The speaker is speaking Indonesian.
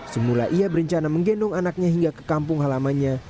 semula ia berencana menggendong anaknya hingga ke kampung halamannya